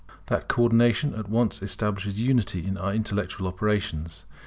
That co ordination at once establishes unity in our intellectual operations.